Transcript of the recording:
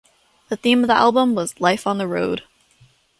The theme of the album was life on the road.